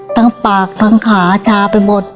ทั้งปากทั้งขาชาไปหมด